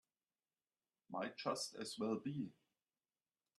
Might just as well be.